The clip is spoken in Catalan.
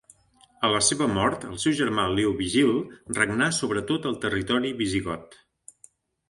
A la seva mort, el seu germà Leovigild regnà sobre tot el territori visigot.